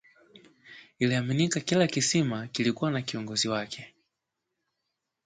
Iliaminika kila kisima kilikuwa na kiongozi wake